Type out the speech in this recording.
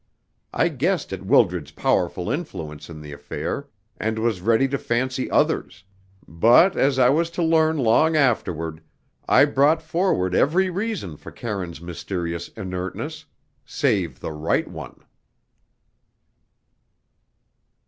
I guessed at Wildred's powerful influence in the affair, and was ready to fancy others; but, as I was to learn long afterward, I brought forward every reason for Karine's mysterious inertness save the right one.